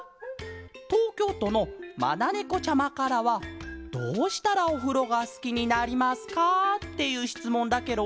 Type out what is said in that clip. とうきょうとのまなねこちゃまからは「どうしたらおふろがすきになりますか？」っていうしつもんだケロ。